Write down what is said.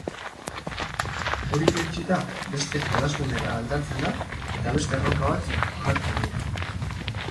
Hori irentsita, beste jolasgunera aldatzen da eta beste erronka batzuk agertzen dira.